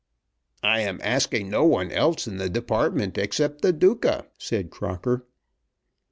"I am asking no one else in the Department except the Duca," said Crocker.